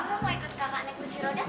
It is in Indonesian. kamu mau ikut kakak naik bersih roda kak